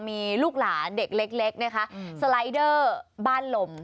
มีลูกหลานเด็กเล็กสไลด์เดอร์บ้านหลม